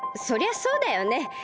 そりゃそうだよね。